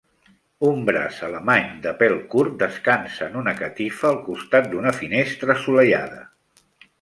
Un brac alemany de pèl curt descansa en una catifa al costat d'una finestra assolellada.